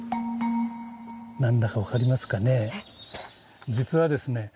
何だか分かりますかね？